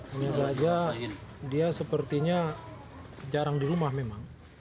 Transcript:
hanya saja dia sepertinya jarang di rumah memang